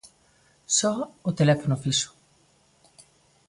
Soa o teléfono fixo.